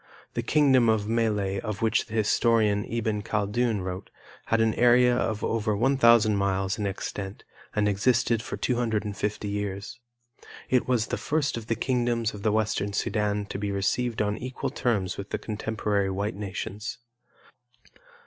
The kingdom of Melle of which the historian, Iben Khaldun, wrote, had an area of over 1,000 miles in extent and existed for 250 years. It was the first of the kingdoms of the Western Sudan to be received on equal terms with the contemporary white nations.